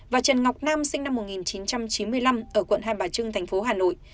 và trần ngọc nam sinh năm một nghìn chín trăm chín mươi năm ở quận hai bà trưng thành phố hà nội